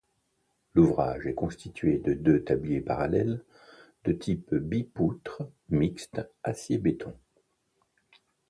L'ouvrage est constitué de deux tabliers parallèles de type bipoutre mixte acier-béton.